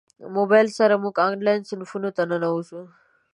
موبایل سره موږ انلاین صنفونو ته ننوځو.